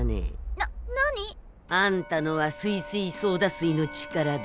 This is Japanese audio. ななに？あんたのはすいすいソーダ水の力だ。